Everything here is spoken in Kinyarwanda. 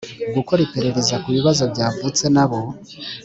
gukora iperereza ku bibazo byavutse nabo